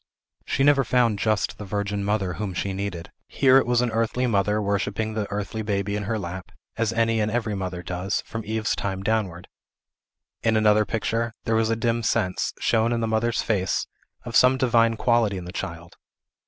She never found just the virgin mother whom she needed. Here it was an earthly mother, worshipping the earthly baby in her lap, as any and every mother does, from Eve's time downward. In another picture, there was a dim sense, shown in the mother's face, of some divine quality in the child.